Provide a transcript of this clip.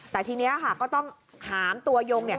แต่ทีนี้ค่ะก็ต้องหามตัวยง